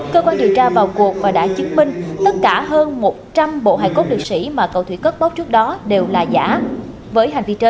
cơ quan điều tra vào cuộc và đã chứng minh tất cả hơn một trăm linh bộ hải cốt liệt sĩ mà cầu thủy cất bóc trước đó đều là giả